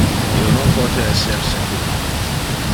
Io non pote esser secur.